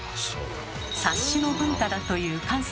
「察しの文化」だという関西。